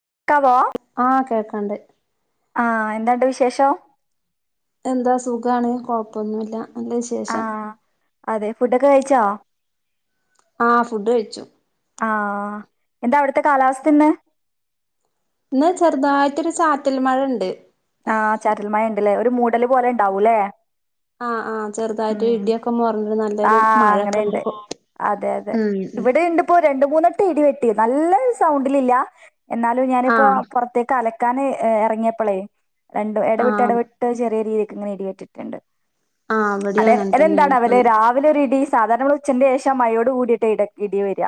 [unintelligible] ആ കേൾക്കണുണ്ട് ആ എന്താണ്ട് വിശേഷം എന്താ സുഖാണ് കൊഴപ്പൊന്നുവില്ല നല്ല ആ ശേഷം അതെ ഫുഡൊക്കെ കഴിച്ചാ ആ ഫുഡ് കഴിച്ചു ആ എന്താ അവിടുത്തെ കാലാവസ്ഥ ഇന്ന് ഇന്ന് ചെറുതായിട്ടൊരു ചാറ്റൽ മഴ ഉണ്ട് ആ ചാറ്റൽമഴ ഉണ്ടല്ലേ ഒരു മൂ ടെല് പോലെ ഉണ്ടാവൂല്ലേ ആഹ് ആഹ് ചെറുതായിട്ട് ഉം ഇടിയൊക്കെ മോർന്നിട്ട് ആ നല്ലൊരു മഴൊക്കെ ഉണ്ട് അങ്ങനെയുണ്ട് ഇപ്പോ അതെ അതെ ഉം ഉം ഇവിടീണ്ട് ഇപ്പൊ രണ്ട് മൂന്ന് ഇപ്പൊ ഇടി വെട്ടി നല്ല സൗണ്ടിലില്ല എന്നാലും ഞാനിപ്പോ ആഹ് പുറത്തേക്ക് അല ക്കാന് ഇറങ്ങിയപ്പളെ രണ്ടും എടവിട്ട് ആഹ് എടവിട്ട് ചെറിയ രീതി ഇങ്ങനെ ഇടിവെട്ടീട്ടുണ്ട് ആഹ് ഇവിടെയും അതെ അങ്ങനെ തന്നെയാണ് അതെന്താടാ ഇപ്പൊ അവിടെ രാവിലെ ഒരിടി സാധാരണ നമ്മള് ഉച്ചന്റെ ശേഷം മഴയോട് കൂടിയിട്ടാ ഇടി വരുക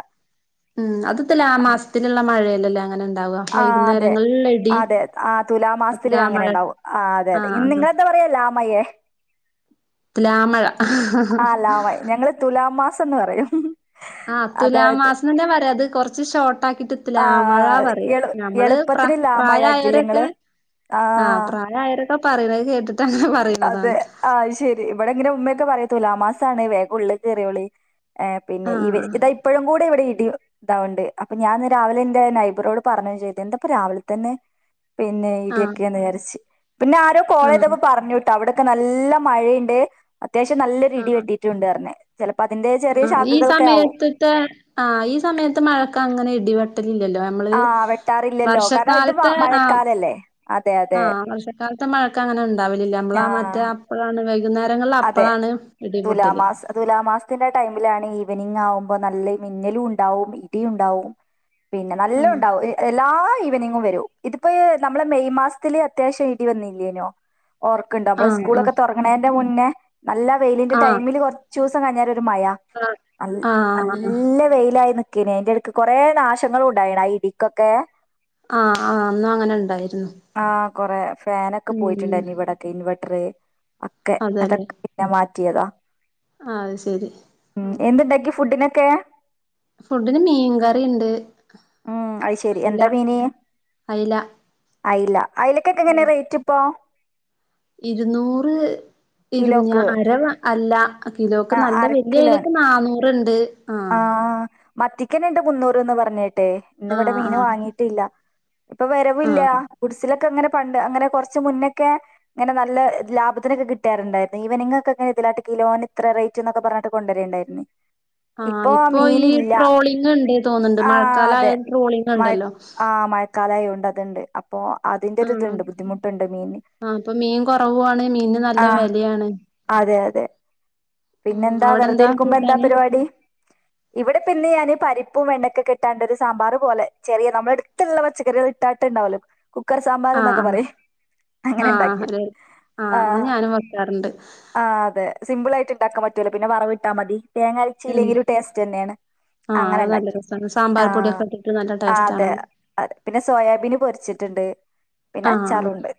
ഉം അത് തുലാ മാസത്തിലുള്ള മഴയല്ലല്ലേ അങ്ങനെ ഉണ്ടാവുക ആ അതെ വൈകുന്നേരങ്ങളിലുള്ള ഇടി അതെ ആ തുലാമാസത്തില് അങ്ങനെ തുലാമഴ ഉണ്ടാവും ആ അതെ അതെ ആഹ് നിങ്ങെളെന്താ പറയാ ലാമഴയാ തുലാമഴ ത്തെന്ന് പറയും ആ അതായത് തുലാമാസം തന്നെയാ പറയാ അത് കുറച്ച് ഷോർട്ടാക്കിട്ട് ആ തലാമഴ പറ എളു നമ്മള് എളുപ്പത്തിന് ലാമഴാക്കിയില്ലേ പ്രായാരൊക്കെ നിങ്ങള് ആ പ്രായാരൊക്കെ ഇപ്പ പറയണത് കേട്ടി അതെ ആ അത് ശരി ഇവിടെ ഇങ്ങനെ ഉമ്മയൊക്കെ പറയ തുലാമാസാണ് വേഗം ഉള്ളിലേക്ക് കേറിയോളിൻ പിന്നെ ഈ ആഹ് ഇതാ ഇപ്പഴും കൂടി ഇപ്പൊ ഇവിടെ ഇടി ഇതാവുണ്ട് അപ്പൊ ഞാന് രാവിലെ എന്റെ നൈബറോട് പറഞ്ഞ ചെയ്തത് എന്താപ്പ രാവിലെ തന്നെ പിന്നെ ആഹ് ഇടിയൊക്കെ നേരച്ച് പിന്നെ ആരോ ആഹ് കോളേയ്തപ്പോ പർഞ്ഞു അവിടൊക്കെ നല്ല മഴ ഇണ്ട് അത്യാവശ്യം നല്ലോരു ഇടി വെട്ടിട്ടുണ്ട് അർഞ് ആ ഈ സമയത്ത്ത്തെ ആ ഈ സമയത്ത് മഴക്കെ അങ്ങനെ ഇടിവെട് ഇല്ലല്ലോ നമ്മള് ആ വെട്ടാറില്ലല്ലോ കാരണം ഇത് വർഷക്കാലത്തെ ആ മഴക്കാലല്ലേ അതെ ആ അതെ വർഷക്കാലത്തെ മഴക്കങ്ങനെ ഇണ്ടാ ഇല്ല ആ നമ്മള് മറ്റേ അപ്പളാണ് ക കുന്നേരങ്ങളില് അതെ അപ്പളാണ് ഇടിപൊട്ടല് തുലാമാസ തുലാമാസത്തിന്റെ ടൈമിലാണ് ഈവനിങ് ആവുമ്പ നല്ല മിന്നലും ഇണ്ടാവും ഇടി ഉണ്ടാവും പിന്നെ നല്ല ആഹ് ഉണ്ടാവും എല്ലാ വനിങ്ങും വരോ ഇത്പ്പഹ് നമ്മളെ മെയ് മാസത്തില് അത്യാവശ്യം ഇടി വന്നില്ലേനോ ഓർക്ണ്ട് നമ്മള് ആഹ് ആഹ് സ്കൂളൊക്കെ തുറങ്ണേന്റെ മുൻ പിന്നെ നല്ലാ വെയിലിന്റെ ആഹ് ടൈമില് കൊറച്ച് [unintelligible] രു മയാ നൽ ആഹ് ആഹ് നല്ല വെയിലായി നിക് ക്കേന് അയിൻ്റെട്ക്ക് കൊറേ നാശങ്ങളും ഉണ്ടായി ണ് ആ ഇടിക്കൊക്കേ ആഹ് ആഹ് അന്നും അങ്ങനെ ഉണ്ടായിരുന്നു ആഹ് കൊറേ ഫാനൊക്കെ ഉം പോയിട്ട്ണ്ടായിരുന്നു ഇവിടൊക്കെ ഇൻവെർട്ടർ ഒക്കെ അതെല്ലേ അതൊക്കെ പിന്നെ മാറ്റിയതാ ആഹ് അത് ശരി ആഹ് എന്ത്ണ്ടാക്കി ഫുഡിന്? ക്കേ ഫുഡിന് മീൻകറിണ്ട് ഉം അത് ശരി അയ്ല എന്താ അയ്ല അയ്ല. അയിലക്കക്കെ എങ്ങനെ റേറ്റ് ഇപ്പോ ഇരുന്നൂറ് ഇര്ന്ന് ഞാ കിലോക്ക് അര വാ അല്ല കിലോക്ക് നല്ല വല്യ അയ്‌ലക്ക് നാന്നൂ റ്ണ്ട് ആ മത്തിക്കെന്നെണ്ട് മുന്നൂറ് ന്നാ പറഞ്ഞെ ട്ടെ ഇന്നിവിടെ ആഹ് മീൻ ആഹ് വാങ്ങീട്ടില്ല. ഇപ്പൊ വെരവില്ല ആഹ് കുടിസിലൊക്കെ ങ്ങനെ പ്പണ്ട് അങ്ങനെ കൊറച്ച് മുന്നൊക്കെ ങ്ങനെ നല്ല ലാഭത്തിനൊക്കെ കിട്ടാറ്ണ്ടായിരുന്നു ഈവനിങ്ങൊക്കെ ഇങ്ങനെ ഇതിലാട്ട് കിലോന് ഇത്ര റേറ്റ് ന്നൊക്കെ പറഞ്ഞിട്ട് കൊണ്ടരണ്ടായിര്ന്ന്. ആഹ് ഇപ്പൊ ഈ ട്രോളിങ് ഇണ്ട് തോന്ന്ണ്ട് ആഹ് മഴക്കാലയാ ട്രോളിങ് ഇണ്ടല്ലോ കലായോണ്ടത്ണ്ട് അ അപ്പൊ അതിന്റെ ആഹ് ഒരിത്ണ്ട് ബുദ്ധിമുട്ട്ണ്ട് മീന് ആഹ് ഇപ്പൊ മീൻ കൊറവുവാണ് മീനിന് നല്ല ആ വെലയാണ് അതെ അതെ ഉം പിന്നെന്താ വെറുതെ അവിടെന്താ ഇരിക്കുമ്പോ എന്താ കൂട്ടാന് പരിപാടി? ഇവിടെപ്പിന്ന് ഞാന് പരിപ്പും വെണ്ടക്കക്കെട്ടാണ്ട് ഒരു സാമ്പാർ പോലെ ചെറിയ നമ്മളെട്ത്ത്ള്ളെ പച്ചക്കറികൾ ഇട്ടാട്ട്ണ്ടാവല്ലോ കുക്കർ സാമ്പാർ ആഹ് ന്നൊക്കെ ആഹ് പറയും ആഹ് അങ്ങനെണ്ടാക്കി ഒരു ആഹ് ആ അങ്ങനെ ഞാനും വെക്കാറുണ്ട് ആ അതെ സിമ്പിൾയി ണ്ടാക്കാൻപറ്റൂല്ല പിന്നെ വറവിട്ടാമതി തേങ്ങ ഉം ചീലെങ്കിലും ടേസ്റ്റെന്നെണ് ആഹ് അത് നല്ല അങ്ങനെണ്ടാക്കി രസാണ് ആ സാമ്പാർ പൊടിയൊക്കെ ഇട്ടിട്ട് നല്ല ടേസ്റ്റ് അതെ ആണത് പിന്നെ സോയാബീൻ പൊരിച്ചിട്ട്ണ്ട് പിന്നെ ആഹ് അച്ചാറൂണ്ട്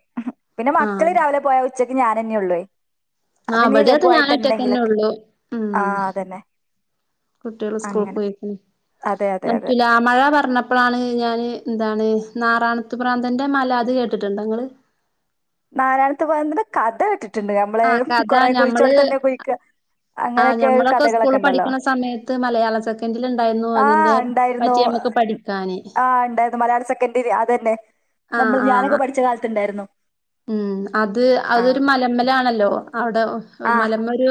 പിന്നെ മക്കള് ആഹ് രാവിലെ പോയാ ഉച്ച ഞാനെന്നെ ഉള്ളേ ആ ബടേം അതെ ഞാനൊറ്റക്കെന്നെ ഒള്ളൂ ആ മ് അതന്നെ കുട്ട്യേൽ സ്കൂൾക് അങ്ങനെ പോയ അതെ അതെ അതെ തുലാമഴ പറഞ്ഞപ്പളാണ് ഞാന് ന്താണ് നാറാണത്ത് പ്രാന്തന്റെ മല അത് കേട്ടിട്ട്ണ്ടോ ഇങ്ങൾ നാരായണത്ത്പ്രാന്തന്റെ കഥ ണ്ട് അമ്മളെ ആഹ് കഥ കൊറെ ഞമ്മള് കുഴിച്ചോട്തെന്നെ കുയിക്ക്യ ആഹ് അങ്ങനെക്കെ ഒരു ഞമ്മളൊക്കെ കഥകളൊക്കെ സ്കൂളിൽ ണ്ടല്ലോ പഠിക്ക്ണ സമയത്ത് മലയാള സെക്കൻഡിൽ ഇണ്ടായിരുന്നു ആ അതിന്റെ ഇണ്ടായിരുന്നു പറ്റി നമ്മക്ക് പഠിക്കാന് ആ ണ്ടായിരുന്നു മലയാളം സെക്കന്റിൽ അതന്നെ നമ്മൾ ഞാനൊക്കെ പഠിച്ച കാലത്ത് ഇണ്ടായിരുന്നു മ് അത് അതൊരു മലമ്മലാണല്ലോ അവിടെ ആ മലമ്മൊരു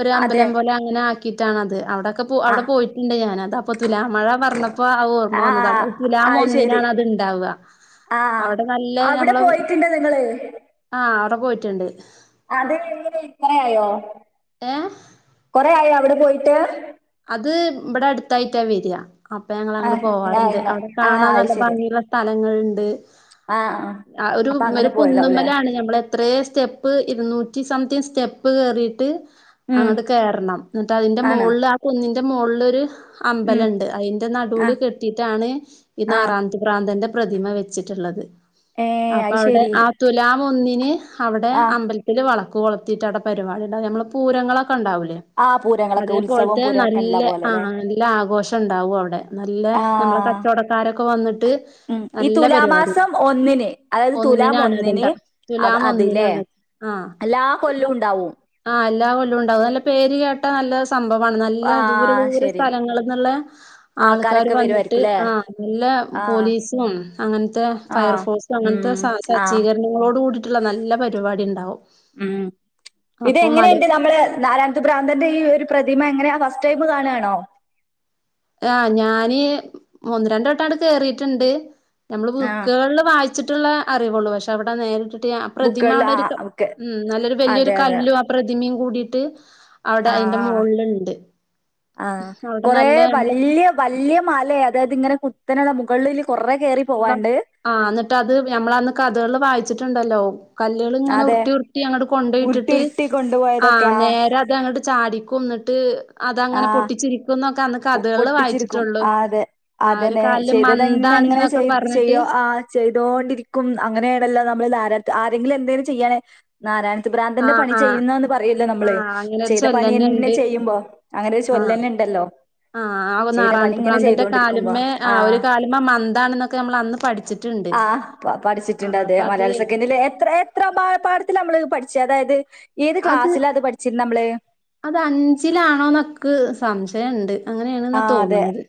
ഒരു അതെ അമ്പലം പോലങ്ങന കിട്ടാണ് അത് അവിടെ കപ്പോ ആ അവിടെ പോയിട്ട്ണ്ട് ഞാന് അത് അപ്പൊ തുലാമഴ പറഞ്ഞപ്പോ ആ ഓർമ്മ വന്നതാണ് തുലാം അത് ശരി ഒന്നിനാണത് ഇണ്ടാവ ആ അവിടെ നല്ല അവിടെ നമ്മള പോയിട്ടുണ്ടോ നിങ്ങള് ആ അവിടെ പോയി ട്ടുണ്ട് അത് എങ്ങനെ ഇത്രയായോ ഏ കോറേ ആയോ അവിടെ പോയിട്ട് അത് ഇവിടെ അടുത്തായിട്ടാ വരാ അപ്പൊ ആ ഞങ്ങളങ്ങട്ടട് ആ പോവാറുണ്ട് ആ അവിടെ ആ, കാണാൻ അത് നല്ല ശരി ഭംഗിയുള്ള സ്ഥലങ്ങള്ണ്ട് ആ ഒരു അപ്പൊ അങ്ങനെ ഒരു പോയതാവൂലേ കുന്നമ്മലാണ് ഞമ്മള് എത്രേ സ്റ്റെപ്പ് ഇരുന്നൂറ്റി സംതിങ് സ്റ്റ സ്റ്റെപ്പ് കയറിയിട്ട് ഉം അങ്ങട്ട് കേറണം എന്നിട്ട് അതിന്റെ ആണ് മോളിലാ കുന്നിന്റെ മോളിലൊരു ഉം അമ്പലണ്ട് അയിന്റെ ആ നടൂല് കെട്ടിട്ടാണ് ഈ ആ നാറാണത്ത് പ്രാന്തന്റെ പ്രതിമ വെച്ചിട്ടുള്ളത് ഏ അപ്പൊ അത് അവിടെ ശരി ആ തുലാ ഒന്നിന് അവിടെ ആ അമ്പലത്തില് വള കോളത്തീട്ട് അവിടെ പരിപാടി ഇണ്ടാവും നമ്മള് പൂരങ്ങളൊ ആഹ് പൂരങ്ങളൊക്കെ ഉത്സവം തെ പൂരമൊക്കെ ഉള്ള നല്ല ആ പോലെല്ലെ നല്ല ആഘോഷണ്ടാവു അവ്ടെ നല്ല ആ നമ്മളെ കച്ചോടക്കാരൊക്കെ വന്നിട്ട് ഉം ഈ നല്ല പരിപാടി തുലാമാസം ഒന്നിന് അതായത് തുലാം ഒന്നിനാണ് ഒന്നിന് അത്ണ്ടാ അ- അതില്ലേ തുലാമൊന്നിനാണ് ആഹ് എല്ലാ കൊല്ലവും ഉണ്ടാവും ആ അല്ല ല്ലാ കൊല്ലുണ്ടാവും നല്ല പേര് കേട്ട നല്ല സംഭവം ഭവാണ് നല്ല ആ ദൂര ദൂര ശരി സ്ഥലങ്ങളിൽന്ന്ള്ള ആൾക്കാാര് ആൾക്കാരൊക്കെ വന്നിട്ട് വരുമായിരിക്കുംല്ലേ ആ നല്ല ആ പോലീസും അങ്ങനത്തെ ആ ഫയർഫോഴ്സും അങ്ങൻത്തെ ഉം ആ സജ്ജീകരണങ്ങളോട് കൂടിയിട്ടുള്ള നല്ല പരിപാടിണ്ട് ണ്ടാവും ഉം ഇതെങ്ങനെണ്ട് നമ്മള് നാരാണത് ഭ്രാന്തന്റെ ഈ ഒരു പ്രത് തിമ എങ്ങനാ ഫസ്റ്റ് ടൈമ് കാണാണോ ആഹ് ഞാന് മൂന്ന് രണ്ട് വട്ടങ്ങട്ട് കേറീട്ട്ണ്ട് നമ്മള് ആ ബുക്കുകളില് വായിച്ചിട്ടുള്ള അറിവൊള്ളൂ പക്ഷേ അവിടെ നേരിട്ട് ട്ട് പ്രതിമ ബുക്കുകളിൽ അവിടെ ആ ഒരു ഓക്കെ ഉം നല്ലൊരു വല്യയൊരു അതെ അതെ കല്ലും ആ പ്രതിമിം കൂടിയിട്ട് അവിടെ ആ അയിന്റെ ആ മോൾല്ണ്ട് അവിടെ നല്ല ഇല്ല്യ വല്ല്യ മലേ അതായത് ഇങ്ങനെ കു കുത്തനള്ള മുകളില് കൊറേ കേറി ന്ന പോവാണ്ട് ആ എന്നിട്ട് അത് ഞമ്മളന്ന് കഥകളില് വായിച്ചിട്ടുണ്ടല്ലോ കല്ലുകള് ഇങ്ങനെ അതെ ഉർട്ടി ഉർട്ടി അങ്ങട്ട് ഉരുട്ടി കൊണ്ടോയിട്ടിട്ട് ഉരുട്ടി ആ കൊണ്ടുപോയതൊക്കെ ആഹ് നേരെ അത് അങ്ങോട്ട് ചാടിക്കുംന്ന്ട്ട് അതങ്ങനെ ആഹ് പൊട്ടിച്ചിരിക്കുന്ന ത്ത അന്ന് പൊ കഥകള് പൊട്ടിച്ചിരിക്കും വായിച്ചിട്ടുള്ളു ആഹ് അതെ ആ ഒരു കാലില് മന്താണന്നൊ ചെയ് ചെയ്യോ ആ ചെയ് ട്ടോണ്ടിരിക്കും അങ്ങനെയാണല്ലോ നമ്മള് നാര ആരെങ്കിലും എന്തേലും ചെയ്യാണേ നാരായണ ഭ്രാന്തന്റെ ആഹ് പണി ആഹ് ചെയ്യുന്ന് പറയല്ലോ നമ്മള് ആഹ് അങ്ങനെ ഒരു ചെയ്ത ചൊല്ലന്നെ ഇണ്ട് പണിന്നെ ചെയ്യുമ്പോ അങ്ങനെ ഒരു ആഹ് ചൊല്ലന്നെ ഉണ്ടല്ലോ ആഹ് ആ നാറാണത്തെ പ്രാന്തന്റെ കാല്മ്മേ ആ ആഹ് ഒരു കാലമ്മേ മന്താണെന്നൊക്കെ നമ്മള് അന്ന് പഠിച്ചിട്ടുണ്ട് ആ പ പഠിച്ചിട്ടുണ്ട് ആഹ് അതെ. അപ്പ അത് ത്തിലാ നമ്മള് പഠിച്ച അതായത് ഏത് അത് ക്ലാസ്സിലാ പഠിച്ചിരുന്നേ നമ്മള്? അത് അഞ്ചിലാണോന്നൊക്ക് സംശയണ്ട് ആ അങ്ങനെയാണെന്നാ അതെ തോന്നണത്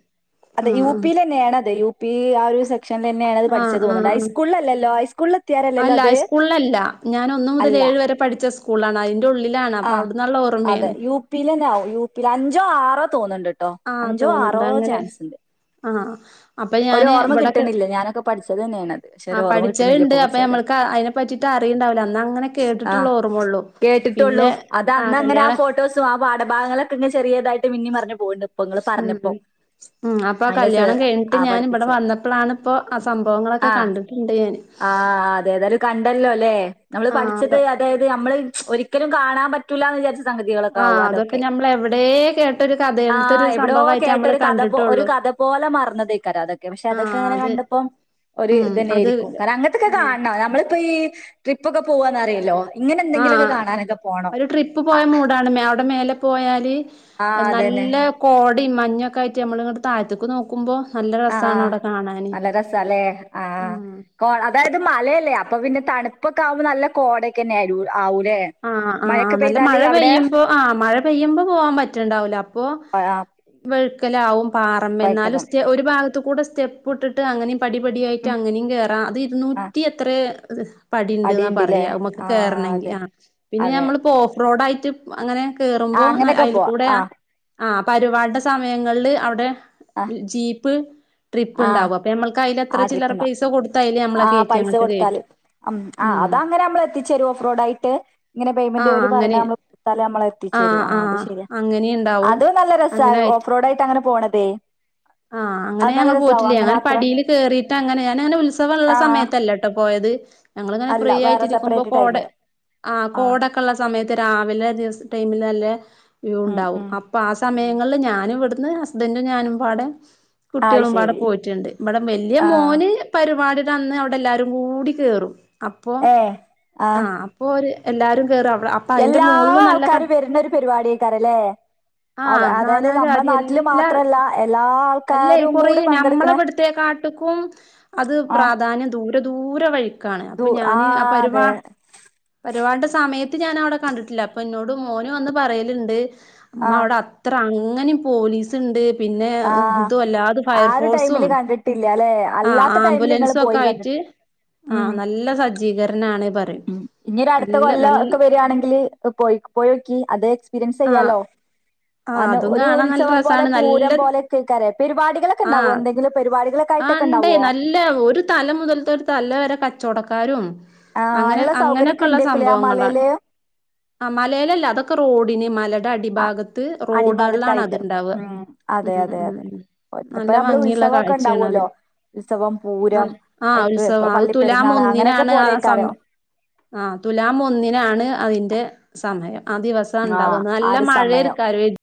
അതെ ആഹ് യു പില് തന്നെയാണതെ യു പി ആ ഒരു സെ ക്ഷൻ തന്നെയാണ്ത് ആഹ് ആഹ് പഠിച്ചത് ആഹ് തോന്നണ് ആഹ് ഹൈസ്കൂളിലല്ലോ ഹൈസ്കൂളിൽ എത്തിയാലല്ലോ അല്ല അത് ഹൈസ്കൂളിലല്ല ഞാൻ ഒന്ന് മുതൽ അല്ല ഏഴ് വരെ പഠിച്ച സ്കൂളാണ് അതിന്റെ ഉള്ളിലാണ് അപ്പൊ ആഹ് അവിടുന്നുള്ള അതെ ഓർമ്മയാണ് യു പി തന്നെ യുപി അഞ്ചോ ആറോ തോന്നുണ്ട ട്ടോ ആഹ് അഞ്ചോ ആറോ തോന്നുന്നുണ്ട് അങ്ങനെ ചാൻസ് ഉണ്ട് ആഹ് അപ്പൊ ഒരു ഞാന് ഓർമ്മ ഇവിടൊക്കെ കിട്ടണില്ല ഞാനൊക്കെ പഠിച്ചത് തന്നെയാണ് അത് പക്ഷെ ആ ഒരു ഓർമ്മ കിട്ടണില്ലേ പഠിച്ചത്ണ്ട് ഇപ്പൊ അപ്പൊ കുറച്ചടെ നമ്മൾക്ക് അതിനെ പറ്റിട്ട് അറിയണ്ടാവില്ല അന്ന് അങ്ങനെ ആ കേട്ടിട്ടുള്ള ഓർമ്മള്ളു കേട്ടിട്ടുള്ളൂ പിന്നെ അത അന്ന അങ്ങ ടൂ ആ ഫോട്ടോസും ആ പാഠഭാഗങ്ങളൊക്കെ ഇ ചെറിയതായിട്ട് മി പറഞ്ഞ [unintelligible] പ്പങ്ങ പറഞ്ഞപ്പോ ഉം ഉം അപ്പൊ അതിന കല്യാണം കഴിഞ്ഞിട്ട് ആ ഞാൻ ഇവിടെ പഠിപ്പിച്ച വന്നപ്പോഴാണ് ഇപ്പോ ആ സംഭവങ്ങളൊക്കെ ആ കണ്ടിട്ടുണ്ട് ഞാന് ആ അതെ അതരു കണ്ടല്ലോ അല്ലെ നമ്മള് ആ പഠിച്ചത് അതെ അതായത് നമ്മള് ഒരിക്കലും കാണാൻ പറ്റൂല്ല എന്ന് വിചാരിച്ച സംഗതികളൊക്കെ ആ ആവും അതൊക്കെ ഞമ്മൾ എവിടെ കേട്ടൊരു കഥ ആ [unintelligible] ത്തൊരു എവിടോ കേട്ട ഒരു കഥ ഒരു കഥ പോലെ മറന്നതേക്കാരോ അതൊക്കെ പക്ഷെ ആ അതൊക്കെ അങ്ങനെ അത് കണ്ടപ്പോം ഒരു ഉം ഇത് അത് തന്നെയായിയിരിക്കും കാരണം അങ്ങനത്തൊക്കെ ഉം കാണ നമ്മൾ ഈ ട്രിപ്പ് ഒക്കെ പോവാന്ന് അറിയില്ലോ ആ ഒരു ട്രിപ്പ് ആ പോയ മൂടാണ് അവിടെ മേലെ പോയാല് ആ അതന്നെ നല്ല കോട ഇ മഞ്ഞൊക്കെ ആട്ട് നമ്മൾ [unintelligible] താഴുക്ക് നോക്കുമ്പോൾ ആ നല്ല രസ അല്ലേ ആ ഉം കോ അതായത് മലയല്ലേ അപ്പൊ പിന്നെണുപ്പൊക്കെ ആക്പ നല്ല കോടൊക്കെന്നെ ആടൂള്ളൂ ആ ആ ആ് നല്ല മഴ അവിടെ പെയ്യുമ്പോ ആ് മഴ പെയ്യുമ്പോ പോവാൻ പറ്റണ്ടാവൂല്ല അപ്പോ വക്ക് ക്കാലാവും പാറമ്പ എന്ന പൈക്കലം സ്റ്റേ ഒരു ഭാഗ ത് കൂടെ സ്റ്റെപ്പ് ഇട്ടിട്ട് അങ്ങനെ പടിപടിയായിട്ട് ഉം അങ്ങനും കേയറാം അത് ആ ഇരുന്നൂറ്റി എത്ര അത പടി ഉണ്ട് എന്നാ അടിയുണ്ടല്ലേ പറയാമ്മക്ക് ആ കേയറണമെങ്കിൽ അതെ ആ പിന്നെ അതെ ഞമ്മള് പോ റോഡായിട്ട് അങ്ങനെ ആ കേറുമ്പോ അങ്ങനെയൊക്കെ അയിൽ പോവാ കൂടെ ആ പരുപാടിടെ സമയങ്ങളില് അവിടെ ആ ജീപ്പ് ട്രിപ്പ് ആ ഇണ്ടാവു അപ്പ നമ്മൾക്ക് അയിലെത്ര ആ ചില്ലറ ട്രിപ്പുണ്ടാവും പൈസ കൊടുത്തായി ആ പൈസ കൊടുത്താല് അം ആ ഉം അതാ അങ്ങനെ നമ്മള് എത്തിച്ച് തരും ഓഫ്റോഡ് ആയിട്ട് ഇങ്ങനെ പേയ്മെന്റ് ആഹ് ഓര് പറയണ അങ്ങനെ നമ്മള് കൊടുത്താല് നമ്മള എത്തിച്ചരു ആഹ് ആ അത് ആഹ് ശരിയാ അങ്ങനെയിണ്ടാവും. അതും നല്ല രസാ ഓഫ് റോഡായിട്ട് അങ്ങനെ പോണ തേ ആ അങ്ങനെ ഞങ്ങ പോയിട്ടില്ല്യ അങ്ങനെ പടിയില് കേയറിട്ടങ്ങനെ ഞാനങ്ങനെ ഉത്സവവൊള്ള ആ സമയത്തല്ലട്ടോ പോയത് ഞങ്ങളിങ്ങനെ അല്ല വേറെ ഫ്രീയായിട്ടിരിക്കുമ്പോ സെപ്പറേറ്റ് കോടെ ടൈമ് ആ കോടക്കെ ഉള്ള സമയത്ത് രാവിലെ ദിവസ ടൈമില് നല്ല വ്യൂ ഉം ഉണ്ടാവും ഉം അപ്പൊ ആ ഉം സമയങ്ങളില് ഞാനും ഇവിടു ന്ന് ഹസ്ബൻഡും ഞാനും പാടെ അത് കുട്ടികളുമ്പാടെ ശരി പോയിട്ടുണ്ട് ഇവിടെ വല്ല്യ ആ മോന് പരുപാടി അന്ന് അവിടെല്ലാരും കൂടി കേറും അപ്പോ ഏ ആ അപ്പോ ഓര് എല്ലാരും കേറും. അവ അപ്പൊ അയിന്റെ എല്ലാ മോളിലും നല്ല ക ആൾക്കാരും വരുന്ന ഒരു പരിപാടിക്കാരല്ലേ അവ ആഹ് അതായത് നമ്മുടെ നാനാജാതി നാട്ടില് എല്ലാ മാത്രല്ല എല്ലാ അല്ലേ ആൾക്കാരും കുറേ കൂടി ഞമ്മളെ പങ്കെടുക്കണേ ഇവുടുത്തെ കാട്ടിക്കും അത് ആ പ്രാധാന്യം ദൂ ഒരു ദൂരെ വഴി കാണ് അപ്പൊ ദൂ ഞാന് ആ പരുപാ അതെ പരുപാടിടെ സമയ ത്ത് ഞാൻ അവിടെ കണ്ടിട്ടില്ല അപ്പൊ എന്നോട് മോനു വന്ന് പറയലിണ്ട് ആ അമ്മ അവിടെ അത്ര അ ങ്ങനേം പോലീസിണ്ട്. പിന്നേ ആ ആ ഒരു ടൈമില് കണ്ടിട്ടില്ലാലേ ആഹ് അല്ലാത്ത ടൈമില് നിങ്ങള് ആംബുലൻസും ഒക്കെ പോയി കണ്ടിട്ട്. ആയിട്ട് ഉം ആഹ് നല്ല സജ്ജീകരണാണ് പറയും ഉം ഇനി ഒരു അടുത്ത നല്ല കൊല്ലം നൽ ഒക്കെ വരികാണെങ്കില് പോയി പോയോക്കി അതെ എക്സ്പീരിയൻസ് ആഹ് ചെയ്യാലോ. ആഹ് അനു അതും ഒരു കാണാൻ നല്ല ഉത്സവം പോലെ രസാണ് നല്ല പൂരം പോലെക്കെകരെ പരിപാടികളൊക്കെ ഇണ്ടാവുവോ ആഹ് എന്തെങ്കിലും പരിപാടികളൊക്കെ ആ ആയിട്ടൊക്കെ ഇണ്ടേ എണ്ടാവുവോ? നല്ല ക്കാരും. അങ്ങനെ അങ്ങനെയൊക്കെയള്ള ഉണ്ടേക്കൂലേ ആ സംഭവങ്ങളാണ് മലയില് ആ മലയിലല്ല അതൊക്കെ റോഡിന് മ [unintelligible] ഭാഗ റോഡുകളിലാണ് അടിഭാഗത്തായിട്ട്. അതിണ്ടാവുക ഉം. അതെ അതെ അതെ. ഉം ഇപ്പ നല്ല നമ്മള് ഭംഗിയുള്ള ഉത്സവൊക്കെ കാഴ്ചയാണത് ഉണ്ടാവുമല്ലോ. ഉത്സവം, അ പൂരം, ആ എപ്പ് പ ഉത്സവം അത് തുലാം പള്ളിപ്പെരുന്നാള് അങ്ങനെയൊക്കെ ഒന്നിനാണ് ആ സം പോലേക്കാരം. ആ തുലാം ഒന്നിനാണ് അതിന്റെ എഹ് സമയം. ആ ദിവസാ ഉണ്ടാവാ. ആഹ് ആ നല്ല ഒരു മഴേര് സമയം. ഉ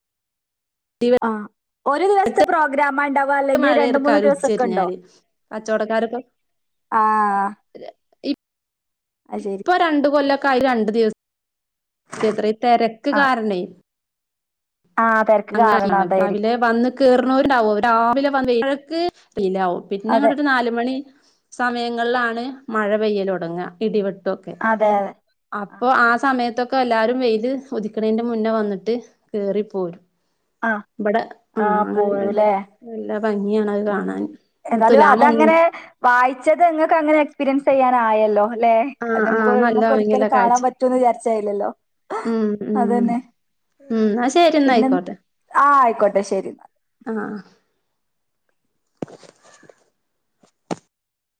ആഹ് ഒരു ദിവസ്ത്തെ പ്രോഗ്രാമാണ്ടാ മഴെര്ക്കാലുച്ചരിഞ്ഞാല് കച്ചവടക്കാരൊക്കെ ആഹ് ഇ അത് ശരി. ഇപ്പ രണ്ട് കൊല്ല കായി രണ്ട് ദിവസം അത്രയും തിരക്ക് ആഹ് കാരണെ ആഹ് തെരക്ക് കാരണം അങ്ങനെയാണ് രാവിലെ അതായിരിക്കും. വന്ന് കേറുന്നോരുണ്ടാവുംരാവിലെ വന്ന് [unintelligible] പിന്നെ ങ്ങ അതെ ഒരു നാലു മണി സമയങ്ങളിലാണ് മഴ പെയ്യൽ തുടങ്ങുക ഇടിവെട്ട് അതെ അതെ. ഒക്കെഅപ്പൊ ആ സമയത്തൊക്കെ ക്ക എല്ലാരും വെയിയില് ഉദക്കണേന്റെ മുന്നേ വന്നിട്ട് കേറിപ്പോരും ആഹ് ഇവിടെ ആഹ് പോവൂലേ. [unintelligible] അത് ഉം കാണാൻ ഏതായാലും തുലാമൊന്നിൽ അതങ്ങനെ വായിച്ചത് നിങ്ങൾക്ക് അങ്ങനെ എക്സ്പീരിയൻസ് ചെയ്യാ ആയല്ലോ അല്ലെ ആ അത് ആ നല്ല നമുക്ക് ഭംഗിയുള്ള ഒരിക്കലും കാഴ്ച കാണാൻ പറ്റൂന്ന് വിചാരിച്ചായില്ലല്ലോ ഉം ഉം അതന്നെ ഉം എന്നാ ശരി എന്നാ പിന്നെ ആയിക്കോട്ടെ ആ ആയിക്കോട്ടെ ശരി എന്നാ ആ ആ [unintelligible]